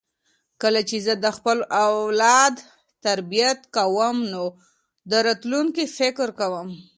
کله چې زه د خپل اولاد تربیت کوم نو د راتلونکي فکر کوم.